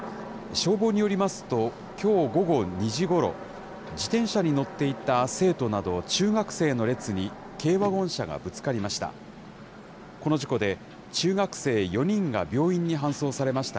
消防によりますと、きょう午後２時ごろ、自転車に乗っていた生徒など、中学生の列に軽ワゴン車がぶつかりました。